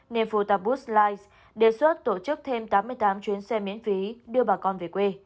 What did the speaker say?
nên phu tạp bus lines đề xuất tổ chức thêm tám mươi tám chuyến xe miễn phí đưa bà con về quê